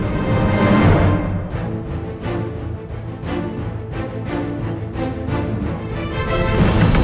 sampai jumpa lagi